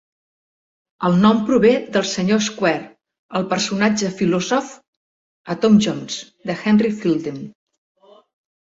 El nom prové del Sr. Square, el personatge filòsof a "Tom Jones", de Henry Fielding.